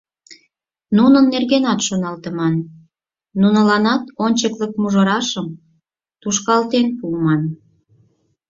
Нунын нергенат шоналтыман, нуныланат ончыклык мужырашым тушкалтен пуыман.